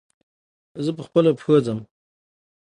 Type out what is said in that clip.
زه به پخپلو پښو ځم.